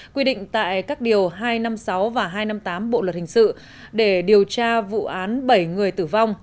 quy định tại các điều hai trăm năm mươi sáu và hai trăm năm mươi tám bộ luật hình sự để điều tra vụ án bảy người tử vong